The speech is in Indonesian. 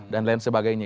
dan lain sebagainya